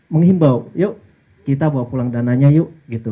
mengimbau yuk kita bawa pulang dananya yuk